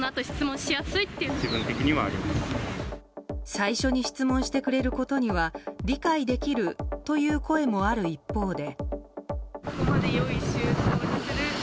最初に質問してくれることには理解できるという声もある一方で。